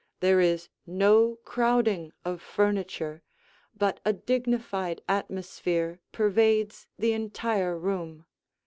There is no crowding of furniture, but a dignified atmosphere pervades the entire room.